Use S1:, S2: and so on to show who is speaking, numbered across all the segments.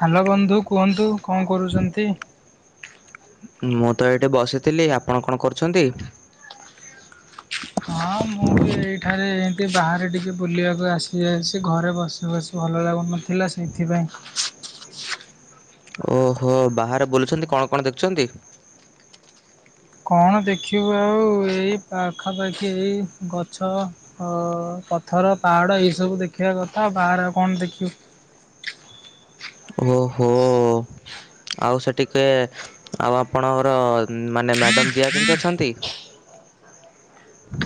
S1: Hello ବନ୍ଧୁ କୁହନ୍ତୁ କଣ କରୁଛନ୍ତି।
S2: ମୁଁ ତ ଏଇଠି ବସିଥିଲି ଆପଣ କଣ କରୁଛନ୍ତି।
S1: ସେ ଏମିତି ବାହାରେ ଟିକିଏ ବୁଲିବାକୁ ଆସିଯାଇଛି ଘରେ ବସି ବସି ଭଲ ଲାଗୁନଥିଲା ସେଇଥିପାଇଁ।
S2: [unintelligible] ଓହୋ ବାହାରେ ବୋଲୁଛନ୍ତି କଣ କଣ ଦେଖୁଛନ୍ତି।
S1: କଣ ଦେଖିବୁ ଆଉ ଏଇ ପାଖାପାଖି ଏଇ ଗଛ ଅ ପଥର ପାହାଡ଼ ଏଇ ସବୁ ଦେଖିବା କଥା ଆ ବାହାରେ ଆଉ କଣ ଦେଖିବୁ।
S2: ଓହୋ। ଆଉ ସେ ଟିକେ ଆଉ ଆପଣଙ୍କର ମାନେ ମ୍ୟାଡାମ ଦିଆ କେମିତି ଅଛନ୍ତି?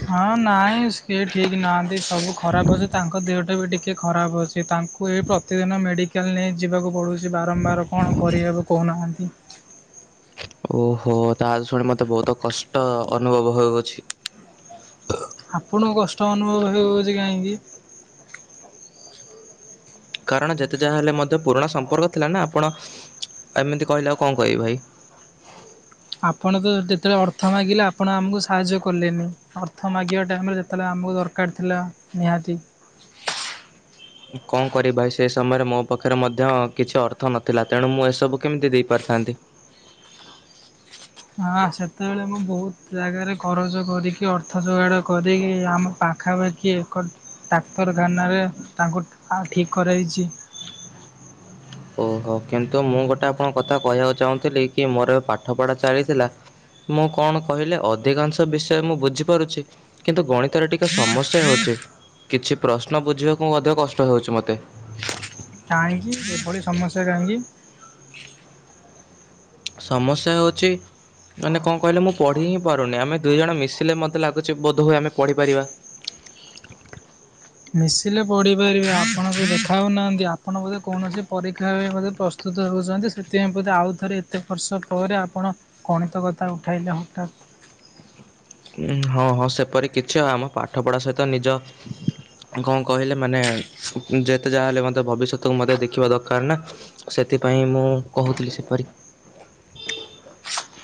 S1: ହଁ ନାଇଁ ସେ ଠିକ ନାହାନ୍ତି ସବୁ ଖରାପ ଅଛି ତାଙ୍କ ଦେହଟା ବି ଟିକ ଟିକେ ଖରାପ ଅଛି ତାଙ୍କୁ ଏ ପ୍ରତିଦିନ ମେଡିକାଲ ନେଇ ଯିବାକୁ ପଡୁଛି ବାରମ୍ବାର କଣ କରିହେବ କହୁ ନାହାନ୍ତିି।
S2: ହୁଁ [inaudible] ଓହୋ ତା ଶୁଣି ମତେ ବହୁତ କଷ୍ଟ ଅନୁଭବ ହଉଅଛି।
S1: ଆପଣ କଷ୍ଟ ଅନୁଭବ ହେଉଅଛି କାହିଁକି?
S2: କାରଣ ଯେତେ ଯାହା ହେଲେ ମଧ୍ୟ ପୁରୁଣା ସମ୍ପର୍କ ଥିଲା ନା ଆପଣ ଏମିତି କହିଲେ ଆଉ କଣ କଇବି ଭାଇ। ହ [inaudible]
S1: ଆପଣ ତ ଯେତେବେଳେ ଅର୍ଥ ମାଗିଲେ ଆପଣ ଆମକୁ ସାହାଯ୍ୟ କଲେନି ଅର୍ଥ ମାଗିବା ଟାଇମ ରେ ଯେତେବେଳେ ଆ ଆମକୁ ଦରକାର ଥିଲା ନିହାତି
S2: କଣ କରବି ଭାଇ ସେ ସମୟରେ ମୋ ପାଖରେ ମଧ୍ୟ କିଛି ଅର୍ଥ ନଥିଲା ତେଣୁ ମୁଁ ଏସବୁ କେମିତି ଦେଇପାରିଥାନ୍ତି।
S1: ହଁ ସେତେବେଳେ ମୁଁ ବହୁତ ଜାଗାରେ କରଜ କରିକି ଅର୍ଥ ଯୋଗାଡ଼ କରିକି ଆମ ପାଖାପାଖି କିି ଏକ ଡାକ୍ତରଖାନାରେ ତାଙ୍କୁ ଠିକ କରାଇଚି।
S2: ଓହୋ କିନ୍ତୁ ମୁଁ ଗୋଟେ ଆପଣଙ୍କ କଥା କହିବାକୁ ଚାହୁଁଥିଲି କି ମୋର ଏ ପାଠ ପଢା ଚାଲିଥିଲା ମୁଁ କଣ କହିଲେ ଅଧିକାଂଶ ବିଷୟ ମୁଁ ବୁଝିପାରୁଛି କିନ୍ତୁ ଗଣିତରେ ଟିକେ ସମସ୍ୟା ହେଉଛି। କିଛି ପ୍ରଶ୍ନ ବୁଝିବାକୁ ମଧ୍ୟ କଷ୍ଟ ହଉଚି ମତେ।
S1: କାହିଁକି ଏଭଳି ସମସ୍ୟା କାହିଁକି?
S2: ସମସ୍ୟା ହେଉଚି ମାନେ କଣ କହିଲେ ମୁଁ ପଢିଁହିଁ ପାରୁନି ଆମେ ଦି ଜଣ ମିଶିଲେ ମତେ ଲାଗୁଛି ବୋଧହୁଏ ଆମେ ପଢିପାରିବା।
S1: ମିଶିଲେ ପଢିପାରିବେ ଆପଣଙ୍କୁ ଦେଖାଉନାହାନ୍ତି ଆପଣ ବୋଧେ କୌଣସି ପରୀକ୍ଷା ପାଇଁ ବୋଧେ ପ୍ରସ୍ତୁ ତ ହେଉଛନ୍ତି ସେଥିପାଇଁ ବୋଧେ ଆଉ ଥରେ ଏତେ ବର୍ଷ ପରେ ଆପଣ ଗଣିତ କଥା ଉଠାଇଲେ ହଠାତ୍।
S2: ହଁ ହଁ ସେପରି କିଛି ଆମ ପାଠ ପଢା ସହିତ ନିଜ କଁ କହିଲେ ମାନେ ଯେତେ ଯାହା ହେଲେ ମଧ୍ୟ ଭବିଷ୍ୟତକୁ ମଧ୍ୟ ଦେଖିବା ଦରକାର ନା ସେଥିପାଁ ପାଇଁ ମୁଁ କହୁଥିଲି ସେପାରି।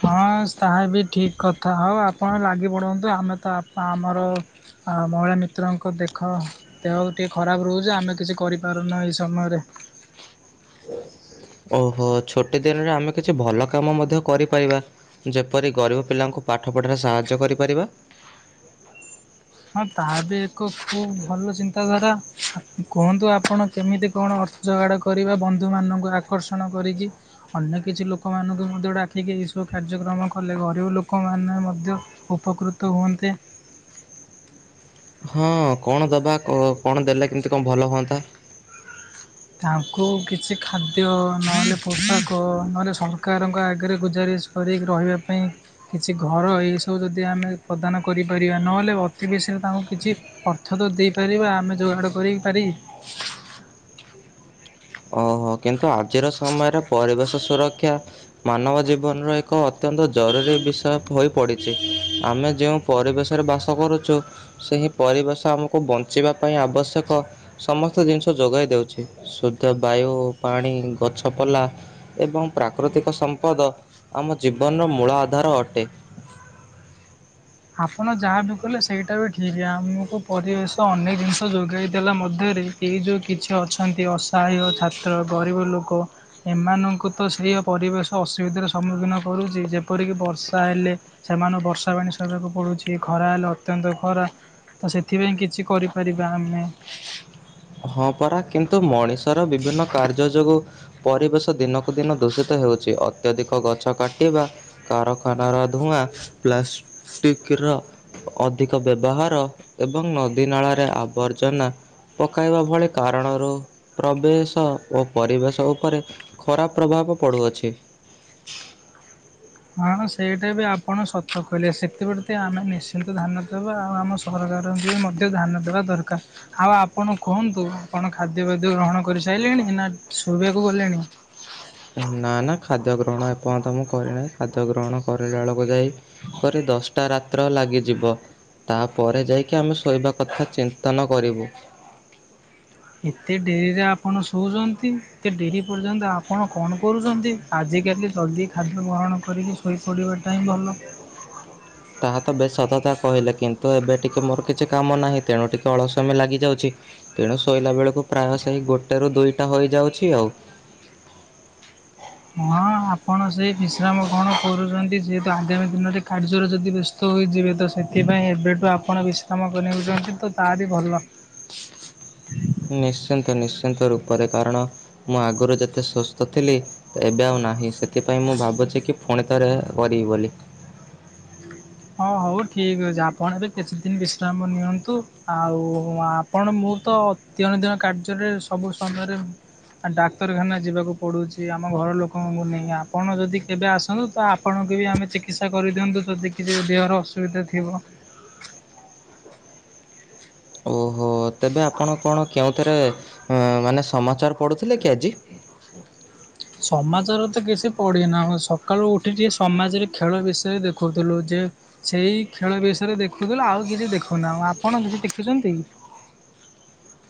S1: ହଁ ତାହା ବି ଠିକ୍ କଥା ହଉ ଆପଣ ଲାଗିପଡ଼ନ୍ତୁ ଆମେ ତ ଆପ୍ ଆମର ଆ ଆଉ ମହିଳା ମିତ୍ରଙ୍କ ଦେଖ ଦେହ ଟିଏ ଖରାପ ରହୁଛି ଆମେ କିଛି କରିପାରୁନାହୁଁ ଏହି ସମୟରେ ।
S2: [inaudible] ଓହୋ ଛୋଟି ଦିନରେ ଆମେ କିଛି ଭଲ କାମ ମଧ୍ୟ କରିପାଇବା ଯେପରି ଗରିବ ପିଲାଙ୍କୁ ପାଠ ପଢ଼ାରେ ସାହାଯ୍ୟ କରିପାରିବା ।
S1: ହଁ ତାହା ବି ଏକ ଖୁବ୍ ଭଲ ଚିନ୍ତାଧାରା କୁହନ୍ତୁ ଆପଣ କେମିତି କଣ ଅର ଯୋଗାଡ କରିବା ବନ୍ଧୁ ମାନଙ୍କୁ ଆକର୍ଷଣ କରିକି । ଅନ୍ୟ କିଛି ଲୋକମାନଙ୍କୁ ମଧ୍ୟ ଡାକିକି ଏଇସବୁ କାର୍ଯ୍ୟକ୍ରମ କଲେ ଗରିବ ଲୋକମାନେ ମଧ୍ୟ ଉ ଉପକୃତ ହୁଅନ୍ତେ ।
S2: [inaudible] ହଁ କଣ ଦବା କ କଣ ଦେଲେ କେମିତି କଣ ଭଲ ହୁଅନ୍ତା?
S1: ତାଙ୍କୁ କିଛି ଖାଦ୍ୟ ନହେଲେ ପୋଷାକ ନହେଲେ ସରକାରଙ୍କ ଆଗରେ ଗୁଜାରି ଇସ୍ କରି ରହିବା ପାଇଁ କିଛି ଘର ଏଇସବୁ ଯଦି ଆମେ ପ୍ରଦାନ କରିପାରିବା ନହେଲେ ଅଧି କି ସେ ତାଙ୍କୁ କିଛି ଅର୍ଥ ତ ଦେଇପାରିବା ଆମେ ଯୋଗାଡ଼ କରିପାରି
S2: [inaudible] ଓହୋ କିନ୍ତୁ ଆଜିର ସମୟରେ ପରିବେଶ ସୁରକ୍ଷା ମାନବ ଜୀବନର ଏକ ଅ ଅତ୍ୟନ୍ତ ଜରୁରୀ ବିଷୟ ହୋଇପଡ଼ିଚ଼ି ଆମେ ଯେଉଁ ପରିବେଶରେ ବାସ କରୁଚୁ ସେ ଇ ପରିବେଶ ଆମକୁ ବଞ୍ଚିବା ପାଇଁ ଆବଶ୍ୟକ ସମସ୍ତ ଜିନିଷ ଯୋଗାଇ ଦେଉଛି । ସୋ ତା ବାୟୁ, ପାଣି, ଗଛପଲା ଏବଂ ପ୍ରାକୃତିକ ସମ୍ପଦ ଆମ ଜୀବ୍ ଜୀବନର ମୂଳ ଆଧାର ଅଟେ ।
S1: ଆପଣ ଯାହାବି କଲେ ସେଇଟା ବି ଠିକ, ଆମକୁ ପରିବେଶ ଅନେକ ଜିନିଷ ଯୋଗେଇ ଦେଲା ମଧ୍ୟେ ଏ ଯୋଉ କିଛି ଅଛନ୍ତି ଅସହାୟ ଛାତ୍ର, ଗରିବ ଲୋ କ ଏମାନଙ୍କୁ ତ ସେୟା ପରିବେଶ ଅସୁବିଧାର ସମ୍ମୁଖୀନ କରୁଛି, ଯେପରିକି ବର୍ଷା ହେଲେ ସେମାନେ ବର୍ଷା ପାଣି ସ ସହିବାକୁ ପଡୁଛି, ଖରା ହେଲେ ଅତ୍ୟନ୍ତ ଖରା ତ ସେଥିପାଇଁ କିଛି କରିପାରିବା ଆମେ ।
S2: ହଁ ପରା କିନ୍ତୁ ମଣିଷର ବିଭିନ୍ନ କାର୍ଯ୍ୟ ଯୋଗୁ, ପରିବେଶ ଦିନକୁ ଦିନ ଦୂଷିତ ହେଉଛି ଅତ୍ୟଧିକ ଗଛ କାଟିବା, କାରଖାନାର ଧୂଆଁ ପ୍ଲାସ ପ୍ଲାଷ୍ଟିକର ଅଧିକ ବ୍ୟବହାର ଏବଂ ନଦୀ ନାଳରେ ଆବର୍ଜନା । ପକାଇବା ଭଳି କାରଣରୁ ପ୍ରବେଶ ଓ ପରିବେଶ ଉପରେ ଖରାପ ପ୍ରଭାବ ପଡୁଅଛି ।
S1: ହଁ ହଁ ସେଇଟା ବି ଆପଣ ସତ କହିଲେ ସେଥିପ୍ରତି ଆମେ ନିଶ୍ଚିନ୍ତ ଧ୍ୟାନ ଦବା । ଆଉ ଆମ ସରକାର ବି ମଧ୍ୟ ଧ୍ୟାନ ଦେବା ଦରକାର । ଆଉ ଆପଣ କହନ୍ତୁ ଆପଣ ଖାଦ୍ୟବାଦ୍ୟ ଗ୍ର ହଣ କରି ସାଇଲେଣି ନା ଶୋଇବାକୁ ଗଲେଣି?
S2: ନା ନା ଖାଦ୍ୟ ଗ୍ରହଣ ଏପର୍ଯ୍ୟନ୍ତ ମୁଁ କରିନାହିଁ, ଖାଦ୍ୟ ଗ୍ରହଣ କରିଲା ବେଳକୁ ଯାଇ କରି ଦଶଟା ରାତ୍ର ଲାଗିଯିବ । ତାପରେ ଯାଇକି ଆମେ ଶୋଇବା କଥା ଚିନ୍ତନ କରିବୁ ।
S1: ଏତେ ଡେରିରେ ଆପଣ ଶୋଉଚ଼ନ୍ତି, ଏତେ ଡେରି ପର୍ଯ୍ୟନ୍ତ ଆପଣ କଣ କରୁଚ଼ନ୍ତି? ଆଜିକାଲି ଜଲ୍ଦି ଖାଦ୍ୟ ଗ୍ରହଣ କରିକି ଶୋଇପଡ଼ିବାଟା ହିଁ ଭଲ ।
S2: ତାହା ତ ବେଶ୍ ସତ କଥା କହିଲେ, କିନ୍ତୁ ଏବେ ଟିକେ ମୋର କିଛି କାମ ନାହିଁ ତେଣୁ ଟିକେ ଅଳସୁଆମି ଲାଗିଯାଉଛି । ତେଣୁ ଶୋଇଲା ବେଳକୁ ପ୍ରାୟ ସେଇ ଗୋଟେରୁ ଦୁଇଟା ହୋଇଯାଉଛି ଆଉ ।
S1: ହଁ ଆପଣ ସେ ବିଶ୍ରାମ କଣ କରୁଛନ୍ତି, ଯେ ତ ଆଗାମୀ ଦିନରେ କାର୍ଯ୍ୟରେ ଯଦି ବ୍ୟସ୍ତ ହୋଇଯିବେ, ତ ସେଥିପାଇଁ ଏବେଠୁ ଆପଣ ବିଶ୍ରାମ କରିନେଉଛନ୍ତି ତ । ତା ବି ଭଲ ।
S2: [inaudible] ନିଶ୍ଚିନ୍ତ ନିଶ୍ଚିନ୍ତ ରୂପରେ କାରଣ ମୁଁ ଆଗରୁ ଯେତେ ସୁସ୍ଥ ଥିଲି, ଏବେ ଆଉ ନାହିଁ ସେଥିପାଇଁ ମୁଁ ଭାବୁଚ଼ି କି ପୁଣି ଥରେ କରିବି ବୋଲି ।
S1: ହଁ ହଉ ଠିକ ଅଛି ଆପଣ ଏବେ କିଛିଦିନ ବିଶ୍ରାମ ନିଅନ୍ତୁ, ଆଉ ଆପଣ ମୋ ମୁଁ ତ ତିଅଣ ତିଅଣ କାର୍ଯ୍ୟରେ ସବୁ ସମୟରେ ଡାକ୍ତରଖାନା ଯିବାକୁ ପଡୁଛି ଆମ ଘର ଲୋକଙ୍କୁ ନେଇ, ଆପଣ ଯଦି କେବେ ଆସନ୍ତୁ ତ ଆପଣଙ୍କୁ ଆମେ ଚିକିତ୍ସା କରିଦିଅନ୍ତୁ, ଯଦି କିଛି ଦେହର ଅସୁବିଧା ଥିବ।
S2: ଓ ହୋ ତେବେ ଆପଣ କଣ କେଉଁ ରେ ମାନେ ସମାଚାର ପଡୁଥିଲେ କି ଆଜି?
S1: ସମାଚର ତ କିଛି ପଢ଼ି ନାହୁଁ। ସକାଳୁ ଉଠିକି ସମାଜରେ ଖେଳ ବିଷୟରେ ଦେଖୁଥିଲୁ ଯେ ସେଇ ଖେଳ ବିଷୟରେ ଦେଖୁଥିଲୁ ଆଉ କିଛି ଦେଖୁନାହୁଁ ।ଆପଣ [unintelligible] କିଛି ଦେଖୁଛନ୍ତି କି?
S2: ହ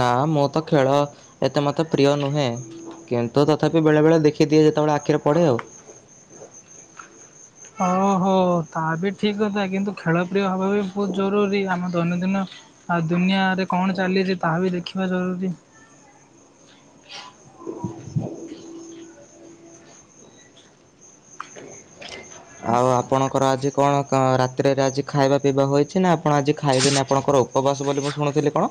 S2: ନା ମୁଁ ତ ଖେଳ ଏତେ ମତେ ପ୍ରିୟ ନୁହେଁ। କିନ୍ତୁ ତଥାପି ବେଳେ ବେଳେ ଦେଖିଦିଏ, ଯେତେବେଳେ ଆଖିରେ ପଡେ ଆଉ।
S1: ଓ ହୋ ତା ବି ଠିକ କଥା କିନ୍ତୁ ଖେଳ ପ୍ର୍ରିୟ ହେବା ବି ବହୁତ ଜରୁରୀ, ଆମ ଦୈନନ୍ଦିନ ଆଉ ଦୁନିଆରେ କଣ ଚାଲିଛି ତାହା ବି ଦେଖିବା ଜରୁରୀ। ହ
S2: ଆଉ ଆପଣ ର ଆଜି କଣ ରାତିରେ ଆଜି ଖାଇବା ପିଇବା ହୋଇଛି, ନା ଆପଣ ଆଜି ଖାଇବେନି ଆପଣଙ୍କର ଉପବାସ ବୋଲି ମୁଁ ଶୁଣୁ ଥିଲି କଣ?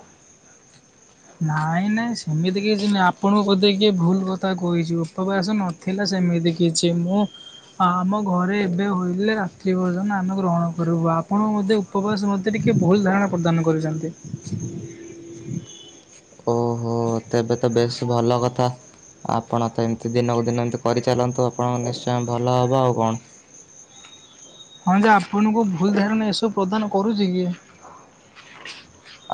S1: ନାଇଁ ନାଇଁ ସେମିତି କିଛି ନାହିଁ, ଆପଣଙ୍କୁ ବୋଧେ କିଏ ଭୁଲ କଥା କହିଛି ଉପାବାସ ନଥିଲା ସେମିତି କିଛି ମୁଁ ଆମ ଘରେ ଏବେ ହୋଇଲେ ରାତ୍ରି ଭୋଜନ ଆମେ ଗ୍ରହଣ କରିବୁ, ଆପଣ ବୋଧେ ଉପବାସ [unintelligible] କିଏ ଭୁଲ ଧାରଣା ପ୍ରଦାନ କରିଛନ୍ତି।
S2: ଓ ହୋ। ତ ତ ଏବେ ତ ବେଶ ଭଲ କଥା ଆପଣ ତ ଏମତି ଦିନକୁ ଦିନ ଏମତି କରିଚାଲନ୍ତୁ। ଆପଣଙ୍କ ନିଶ୍ଚୟ ଭଲ ହେବ ଆଉ କଣ
S1: ହଁ ଯେ ଆପଣଙ୍କୁ ଭୁଲ ଧାରଣ ଏସବୁ ପ୍ରଦାନ କରୁଛି କି?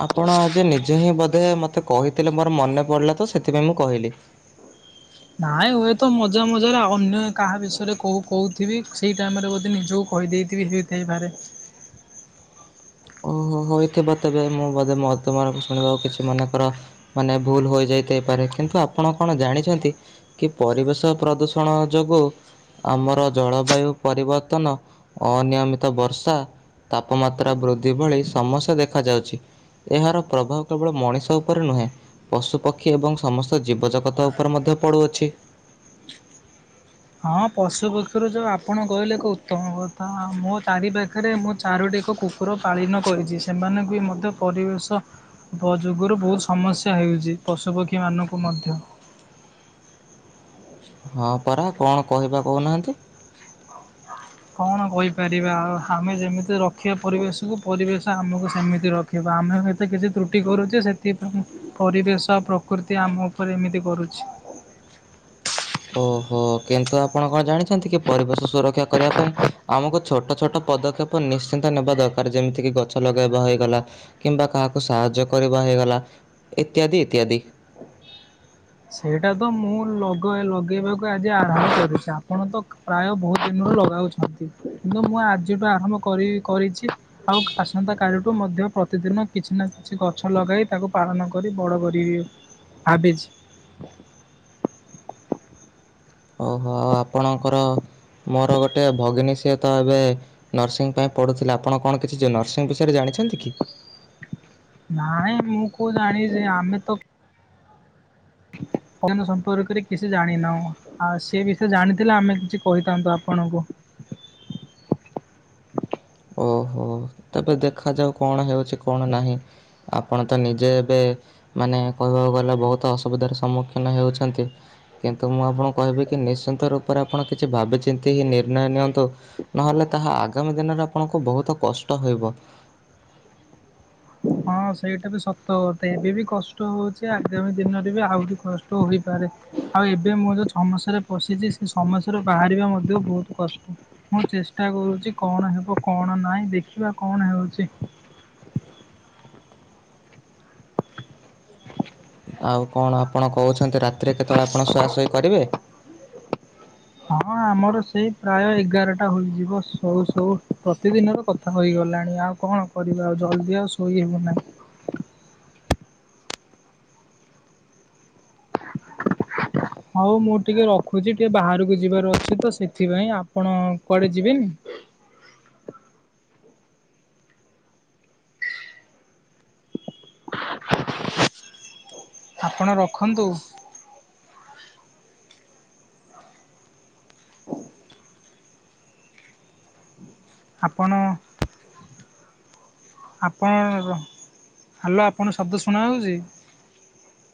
S2: ଆପଣ ଆ ଯେ ନିଜ ଯେ ହିଁ ବୋଧେ ମତେ କହିଥିଲେ ମୋର ମନେ ପଡିଲା ତ ସେଥିପାଇଁ ମୁଁ କହିଲି।
S1: ନାଇଁ ହୁଏତ ମଜା ମଜାରେ ଅନ୍ୟ କାହା ବିଷୟରେ କ କହୁଥିବି ସେଇ ଟାଇମରେ ବୋଧେ ନିଜକୁ କହି ଦେଇେଇଥିବି ହେଥାଇପାରେ।
S2: [inaudible] ଓହୋ ହୋଇଥିବ ତେବେ ମୁଁ ବୋଧେ ମ ତମ ଶୁଣିବା କିଛି ମନେଙ୍କର ମାନେ ଭୁଲ ହୋଇଯ ପାରେ କିନ୍ତୁ ଆପଣ କଣ ଜାଣିଛନ୍ତି କି ପରିବେଶ ପ୍ରଦୂଷଣ ଯୋଗୁ ଆମର ଜଳବାୟୁ ପରିବର୍ତ୍ତନ ଅନିୟମିତ ବର୍ଷା ତାପମାତ୍ରା ବୃଦ୍ଧି ଭଳି ସମସ୍ୟା ଦେଖ ଯାଉଛି। ଏହାର ପ୍ରଭାବ କେବଳ ମଣିଷ ଉପରେ ନୁହେଁ ପଶୁପକ୍ଷୀ ଏବଂ ସମସ୍ତ ଜୀବଜଗତ ଉପରେ ମଧ୍ୟ ପଡୁଅଛି।
S1: ହଁ ପଶୁ ପକ୍ଷୀରୁ ଯୋଉ ଆପଣ କହିଲେ ଏକ ଉତ୍ତମ କଥା ମୋ ଚାରି ପାଖରେ ମୁଁ ଚାରୋଟି ଏକ କୁକୁର ପାଳନ କରିଛି ସେମାନଙ୍କୁ ମଧ୍ୟ ପରିବେଶ ଯୁଗରୁ ବହୁତ ସମସ୍ୟା ହେ ହେଉଛି ପଶୁପକ୍ଷୀ ମାନଙ୍କୁ ମଧ୍ୟ।
S2: [inaudible] ହଁ ପରା କଣ କହିବା କହୁନାହାନ୍ତି।
S1: କଣ କହିପାରିବା ଆଉ ଆମେ ଯେମିତି ରଖିବା ପରିବେଶକୁୁ ପରିବେଶ ଆମକୁ ସେମିତି ରଖିବ। ଆମେ ଏତ କିଛି ତ୍ରୁଟି କରୁଛେ ସେଥିପାଇଁ ପରିବେଶ ପ୍ରକୃତି ଆମ ଉପରେ ଏମିତି କରୁଛି।
S2: [inaudible] ଓହୋ କିନ୍ତୁ ଆପଣ କଣ ଜାଣିଛନ୍ତି କି ପରିବେଶ ସୁରକ୍ଷା କରିବା ପାଇଁ ଆମକୁ ଛୋଟ ଛୋଟ ପଦକ୍ଷେପ ନିଶ୍ଚିନ୍ତ ନେବା ଦରକାର ଯେମିତି କିି ଗଛ ଲଗେଇବା ହେଇଗଲା କିମ୍ବା କାହାକୁ ସାହାଯ୍ୟ କରିବା ହେଇଗଲା ଇତ୍ୟାଦି ଇତ୍ୟାଦି।
S1: ସେଇଟା ତ ମୁଁ ଲଗ ଲଗେଇବାକୁ ଆଜି ଆରମ୍ଭ କରିୁଛି ଆପଣ ତ ପ୍ରାୟ ବହୁତ ଦିନ ଲଗାଉଛନ୍ତି କିନ୍ତୁ ମୁଁ ଆଜିଠୁ ଆରମ୍ଭ କରି କରିଛି ଆଉ ଆସନ୍ତାକାଲିଠୁ ମଧ୍ୟ ପ୍ରତିଦିନ କିଛି ନା କିଛି ଗଛ ଲଗାଇ ତାକୁ ପାଳନ କରି ବଡ଼ କରି ଭାବିଛି। [inaudible]
S2: ଓହୋ ଆଉ ଆପଣଙ୍କର ମୋର ଗୋଟେ ଭଗିନୀ ସିଏ ତ ଏବେ ନର୍ସିଂ ପାଇଁ ପଢୁଥିଲା ଆପଣ କଣ କିଛି ନର୍ସିଂ ବିଷୟରେ ଜାଣି ଅଛନ୍ତି କି?
S1: ନାଇଁ ମୁଁ କୋଉ ଜାଣିଛି ଆମେ ତ
S2: [inaudible]
S1: ସମ୍ପର୍କରେ କିଛି ଜାଣିନାହୁ ଆଉ ସେ ବିଷୟରେ ଜାଣିଥିଲେ ଆମେ କିଛି କହିଥାନ୍ତୁ ଆପଣଙ୍କୁ।
S2: ଓହୋ। ତେବେ ଦେଖାଯାଉ କଣ ହେଉଛି କଣ ନାହିଁ ଆପଣ ତ ନିଜେ ଏବେ ମାନେ କହିବାକୁ ଗଲେ ବହୁତ ଅସୁବିଧାର ସମ୍ମୁଖୀନ ହେଉଛନ୍ତି କିନ୍ତୁ ମୁଁ ଆପଣ କୁ କହିବି କି ନିଶ୍ଚିନ୍ତ ରୂପ ଆପଣ କିଛି ଭାବିଚିନ୍ତି ନିର୍ଣ୍ଣୟ ନିଅନ୍ତୁ ନହେଲେ ତାହା ଆଗାମୀ ଦିନରେ ଆପଣଙ୍କ ବହୁତ କଷ୍ଟ ହେବ।
S1: ହଁ ସେଇଟା ବି ସତ କଥା ଏବେ ବି କଷ୍ଟ ହଉଛି ଆଗାମୀ ଦିନରେ ବି ଆହୁରି କଷ୍ଟ ହୋଇପାରେ। ଆଉ ଏବେ ମୁଁ ଯୋଉ ସମସ୍ୟାରେ ପଶିଛି ସେ ସମସ୍ୟାରୁ ବାହାରିବା ମଧ୍ୟ ବହୁତ କଷ୍ଟ ମୁଁ ଚେସ ଚେଷ୍ଟା କରୁଛି କଣ ହେବ କଣ ନାହିଁ ଦେଖିବା କଣ ହେଉଛି।
S2: [inaudible] ଆଉ କଣ ଆପଣ କହୁଛନ୍ତି ରାତିରେ କେତେବେଳେ ଆପଣ ସୁହା ସୁହି କରିବେ?
S1: ହଁ। ହଁ ଆମର ସେଇ ପ୍ରାୟ ଏଗାରଟା ହୋଇଯିବ ସଉ ସଉ ପ୍ରତିଦିନର କଥା ହୋଇଗଲାଣି ଆ ଆଉ କଣ କରିବା ଆଉ ଜଲଦି ଆଉ ଶୋଇ ହେବ ନାହିଁ।
S2: [inaudible]
S1: ହଉ ମୁଁ ଟିକେ ରଖୁଛି ଟିକେ ବାହାରକୁ ଯିବାର ଅଛି ତ ସେଥିପାଇଁ ଆପଣ କୁଆଡେ ଯିବେନି?
S2: [inaudible]
S1: ଆପଣ ରଖନ୍ତୁ। ଆପଣ ଆପଣ ହ୍ୟାଲୋ, ଆପଣଙ୍କୁ ଶବ୍ଦ ଶୁଣା ଯାଉଛି?